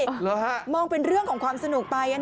เหรอฮะมองเป็นเรื่องของความสนุกไป